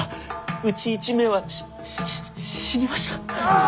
うち１名はしし死にました。